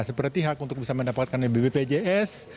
seperti hak untuk bisa mendapatkan bpjs